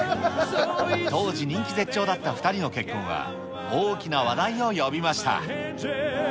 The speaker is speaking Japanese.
当時、人気絶頂だった２人の結婚は、大きな話題を呼びました。